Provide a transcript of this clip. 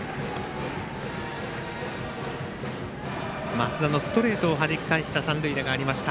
升田のストレートをはじき返した三塁打がありました